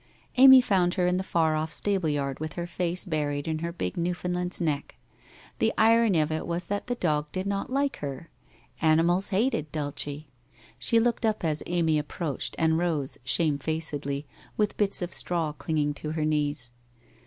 Amy found her in the far off stableyard with her face buried in her big Newfoundland's neck. The irony of it was that the dog did not like her. Animals hated Dulce. She looked up as Amy approached, and rose shamefacedly, with bits of straw clinging to her knees.